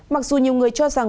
mặc dù nhiều người cho rằng